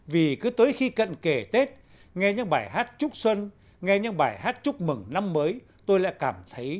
vì cứ tới khi cận kể tết nghe những bài hát chúc xuân nghe những bài hát chúc mừng năm mới tôi lại cảm thấy non nao